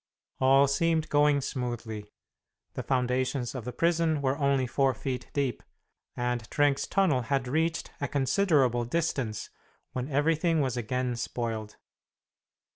All seemed going smoothly. The foundations of the prison were only four feet deep, and Trenck's tunnel had reached a considerable distance when everything was again spoiled.